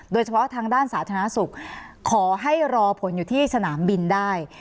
โดยเฉพาะทางด้านสาธารณสุขขอให้รอผลอยู่ที่สนามบินได้